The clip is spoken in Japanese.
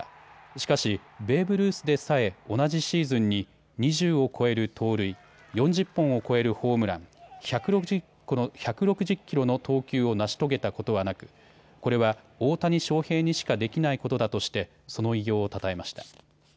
しかし、ベーブ・ルースでさえ同じシーズンに２０を超える盗塁、４０本を超えるホームラン、１６０キロの投球を成し遂げたことはなく、これは大谷翔平にしかできないことだとしてその偉業をたたえました。